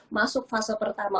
masuk fase pertama